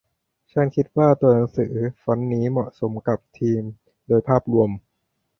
ฉันคิดว่าตัวหนังสือฟอนต์นี้เหมาะสมกับธีมโดยภาพรวม